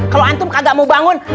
kalau antum agak mau bangun